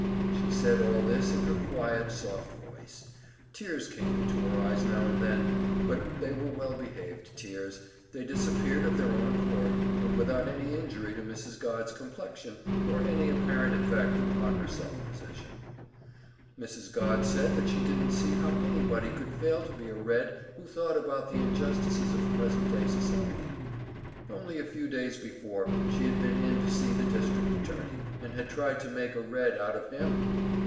She said all this in her quiet, soft voice. Tears came into her eyes now and then, but they were well behaved tears, they disappeared of their own accord, and without any injury to Mrs. Godd's complexion, or any apparent effect upon her self possession. Mrs. Godd said that she didn't see how anybody could fail to be a Red who thought about the injustices of present day society. Only a few days before she had been in to see the district attorney, and had tried to make a Red out of him!